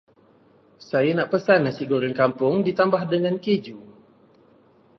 Saya nak pesan Nasi goreng kampung ditambah dengan keju.